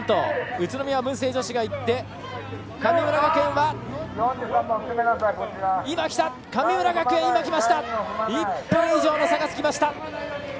宇都宮文星女子がいって神村学園１分以上の差がつきました。